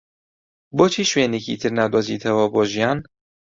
بۆچی شوێنێکی تر نادۆزیتەوە بۆ ژیان؟